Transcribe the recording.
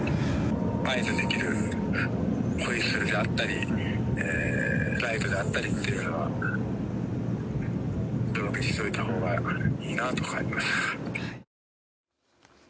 合図できるホイッスルであったりライトであったりというのはあったほうがいいなと思います。